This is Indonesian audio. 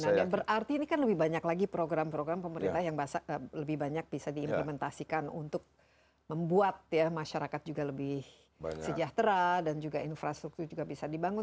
nah berarti ini kan lebih banyak lagi program program pemerintah yang lebih banyak bisa diimplementasikan untuk membuat ya masyarakat juga lebih sejahtera dan juga infrastruktur juga bisa dibangun